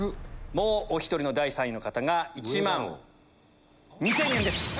もうお１人の第３位の方が１万２０００円です。